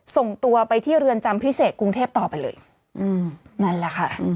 ส่งตัวไปที่เรือนจำพิเศษกรุงเทพต่อไปเลยอืมนั่นแหละค่ะ